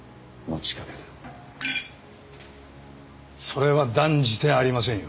それは断じてありませんよ。